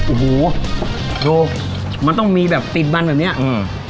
โอ้โหดูมันต้องมีแบบติดมันแบบเนี้ยอืม